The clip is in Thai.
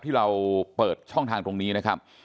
ที่เราเปิดช่องทางตรงนี้นะครับ